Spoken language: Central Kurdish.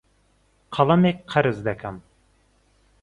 قەڵەمێک قەرز دەکەم.